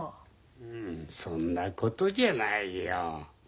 うんそんなことじゃないよ。